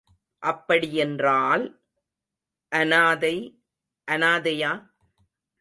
அப்படியென்றால்... அநாதை... அநாதையா?